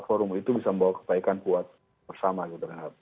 forum itu bisa membawa kebaikan buat bersama gitu